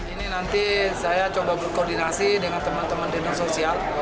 ini nanti saya coba berkoordinasi dengan teman teman dinasosial